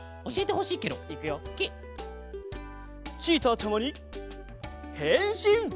チーターちゃまにへんしん！